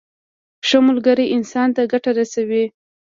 ښه ملګری انسان ته ګټه رسوي.